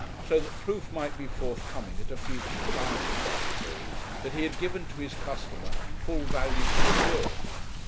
so that proof might be forthcoming at a future time, if necessary, that he had given to his customer full value for the bill.